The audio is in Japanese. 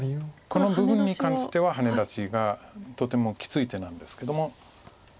この部分に関してはハネ出しがとてもきつい手なんですけども。